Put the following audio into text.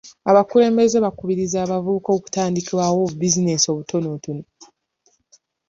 Abakulembeze bakubiriza abavubuka okutandikawo bubizinensi obutonotono.